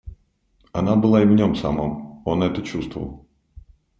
Она была и в нем самом — он это чувствовал.